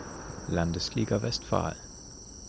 Landesliga Westfalen".